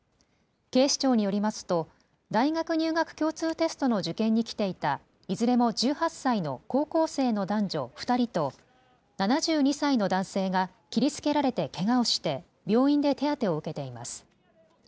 警視庁によりますと大学入学共通テストの受験に来ていたいずれも１８歳の高校生の男女２人と７２歳の男性が切りつけられてけがをして病院で手当てを受けています。